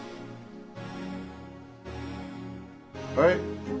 はい。